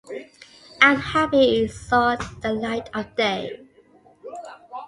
I'm happy it saw the light of day.